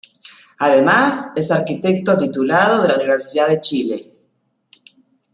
Además, es Arquitecto titulado de la Universidad de Chile.